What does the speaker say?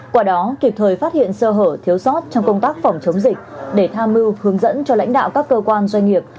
qua đó kịp thời phát hiện sơ hở thiếu sót trong công tác phòng chống dịch để tham mưu hướng dẫn cho lãnh đạo các cơ quan doanh nghiệp